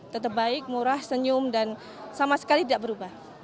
tetap baik murah senyum dan sama sekali tidak berubah